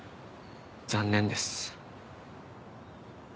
残念です。